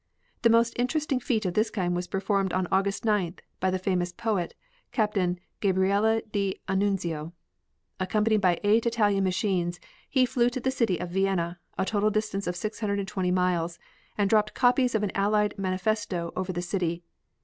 The most interesting feat of this kind was performed on August 9th by the famous poet, Captain Gabrielle D'Annunzio. Accompanied by eight Italian machines, he flew to the city of Vienna, a total distance of 620 miles, and dropped copies of an Allied manifesto over the city.